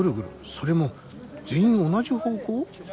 それも全員同じ方向？